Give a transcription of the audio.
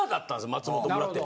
松本村って。